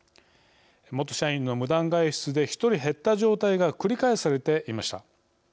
元社員の無断外出で１人減った状態が繰り返されていました。